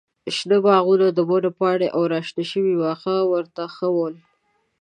شنه باغونه، د ونو پاڼې او راشنه شوي واښه ورته ښه ول.